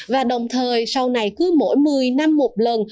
và đồng thời sau này cứ mỗi một mươi năm một lần